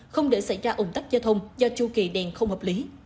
không để xảy ra ủng tắc giao thông do chu kỳ đèn không hợp lý